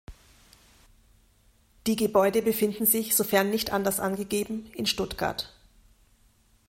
Die Gebäude befinden sich, sofern nicht anders angegeben, in Stuttgart.